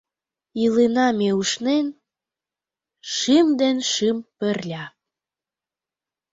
Илена ме ушнен — шӱм ден шӱм пырля.